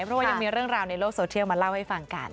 เพราะว่ายังมีเรื่องราวในโลกโซเทียลมาเล่าให้ฟังกัน